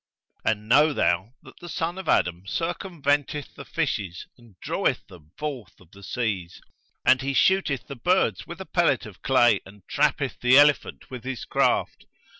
And know thou that the son of Adam circumventeth the fishes and draweth them forth of the seas; and he shooteth the birds with a pellet of clay[FN#132] and trappeth the elephant with his craft.